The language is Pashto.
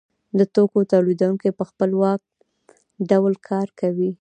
د توکو تولیدونکی په خپلواک ډول کار کوي